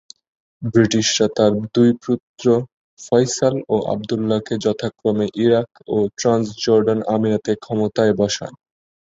ব্রিটিশরা তার দুই পুত্র ফয়সাল ও আবদুল্লাহকে যথাক্রমে ইরাক ও ট্রান্সজর্ডান আমিরাতের ক্ষমতায় বসায়।